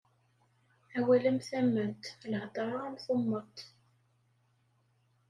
Awal am tamment, lhedṛa am tummeṭ.